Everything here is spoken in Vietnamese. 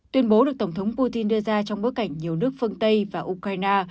tuyên bố được tổng thống putin đưa ra trong bối cảnh nhiều nước phương tây và ukraine